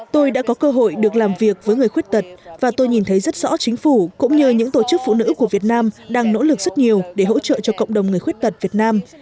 tôi đã có cơ hội được làm việc với người khuyết tật và tôi nhìn thấy rất rõ chính phủ cũng như những tổ chức phụ nữ của việt nam đang nỗ lực rất nhiều để hỗ trợ cho cộng đồng người khuyết tật việt nam